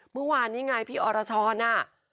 เมื่อวานนี้ไงพี่อรชรน่ะ